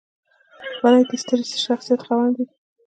غلی، د ستر شخصیت خاوند وي.